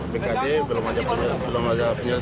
baru itu ada dua